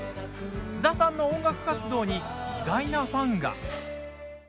菅田さんの音楽活動に意外なファンが。